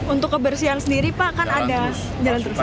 untuk kebersihan sendiri pak kan ada jalan terus